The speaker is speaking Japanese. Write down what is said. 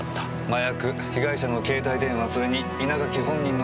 麻薬被害者の携帯電話それに稲垣本人の携帯。